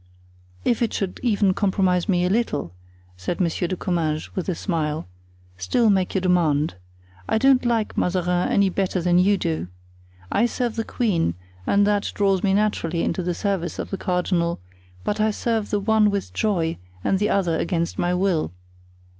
"If it should even compromise me a little," said Monsieur de Comminges, with a smile, "still make your demand. I don't like Mazarin any better than you do. I serve the queen and that draws me naturally into the service of the cardinal; but I serve the one with joy and the other against my will.